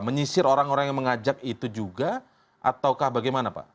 menyisir orang orang yang mengajak itu juga ataukah bagaimana pak